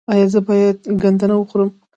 ایا زه باید ګندنه وخورم؟